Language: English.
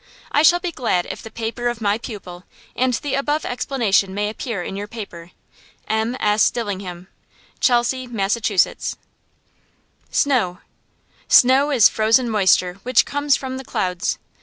I shall be glad if the paper of my pupil and the above explanation may appear in your paper. M.S. DILLINGHAM. CHELSEA, MASS. SNOW Snow is frozen moisture which comes from the clouds.